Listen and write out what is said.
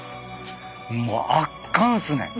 もう圧巻っすね